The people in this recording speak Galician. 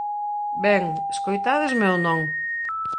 Ben, escoitádesme ou non?